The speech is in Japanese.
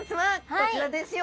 こちらですよ。